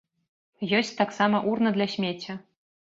Ёсць таксама урна для смецця.